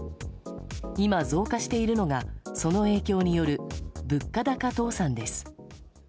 今、増加しているのがその影響による物価高倒産です。